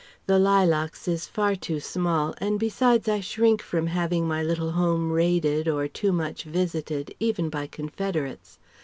"The Lilacs" is far too small, and besides I shrink from having my little home raided or too much visited even by confederates.